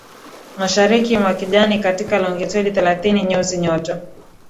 Mashariki mwa kijani katika Longitudi thelathini nyuzi joto